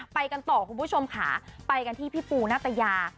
ไปกันต่อคุณผู้ชมค่ะไปกันที่พี่ปูนาตยา